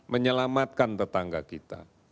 menyelamatkan tetangga kita